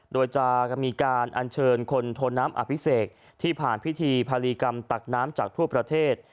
โดยจะมีการอัญเชิญคนโทน้ำอภิเษกที่ผ่านพิธีภารีกรรมตักน้ำจากทั่วประเทศ